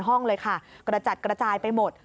ทั้งค่อนข้างกระจัดกระจายไปหมด